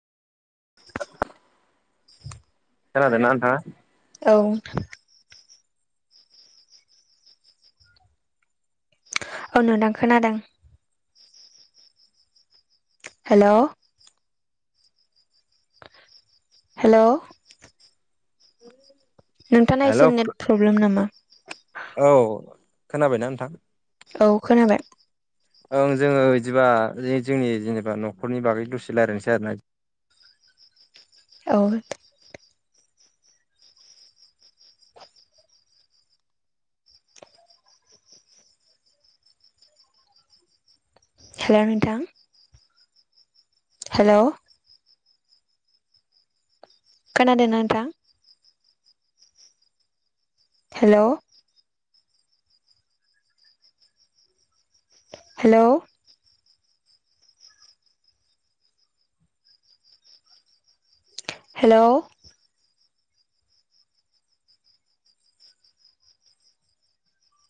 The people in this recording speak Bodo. खोनादोंना नोंथाङा? औ। औ नोंथां खोनादों। हेलौ हेलौ नोंथाङा हेल' एसे नेट प्रब्लेम नामा? औ खोनाबायना नोंथां? औ खोनाबाय। ओं जोङो बिदिबा जोंनि जेनेबा न'खरनि बागै दसे रायलायनोसै आरो ना? आ हेल' नोंथां? हेलौ खोनादों नोंथां हेलौ हेल'। हेलौ